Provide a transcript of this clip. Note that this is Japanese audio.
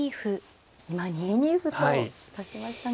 今２二歩と指しましたが。